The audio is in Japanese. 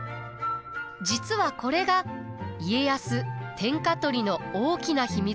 実はこれが家康天下取りの大きな秘密です。